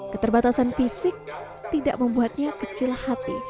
keterbatasan fisik tidak membuatnya kecil hati